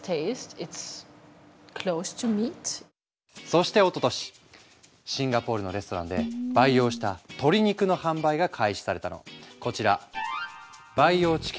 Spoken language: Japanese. そしておととしシンガポールのレストランで培養した鶏肉の販売が開始されたの。